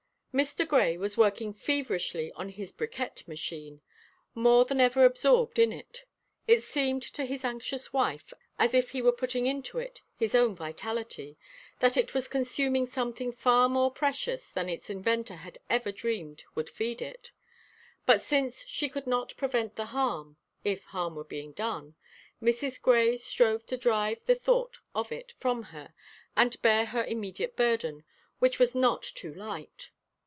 Mr. Grey was working feverishly on his bricquette machine, more than ever absorbed in it; it seemed to his anxious wife as if he were putting into it his own vitality, that it was consuming something far more precious than its inventor had ever dreamed would feed it. But, since she could not prevent the harm if harm were being done Mrs. Grey strove to drive the thought of it from her, and bear her immediate burden, which was not too light.